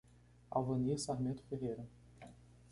Alvanir Sarmento Ferreira